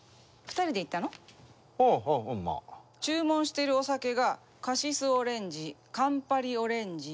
注文してるお酒がカシスオレンジカンパリオレンジゆずハイボール。